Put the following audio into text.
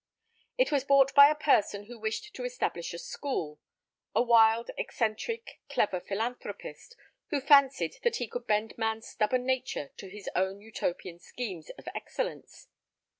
It was bought by a person who wished to establish a school: a wild, eccentric, clever philanthropist, who fancied that he could bend man's stubborn nature to his own Utopian schemes of excellence.